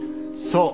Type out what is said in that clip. そう。